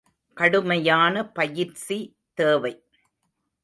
கடுமையான பயிற்சி தேவை.